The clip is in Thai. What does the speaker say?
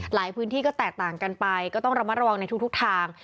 พื้นที่ก็แตกต่างกันไปก็ต้องระมัดระวังในทุกทาง